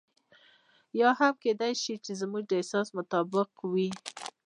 یا هم کېدای شي زموږ د احساس مطابق وي.